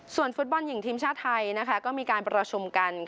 ส่วนฟุตบอลหญิงทีมชาติไทยก็มีการประชุมกัน